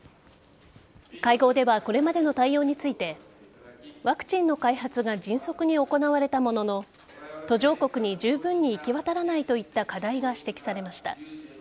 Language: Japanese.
会合ではこれまでの対応についてワクチンの開発が迅速に行われたものの途上国に十分に行き渡らないといった課題が指摘されました。